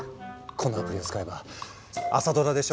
このアプリを使えば朝ドラでしょ？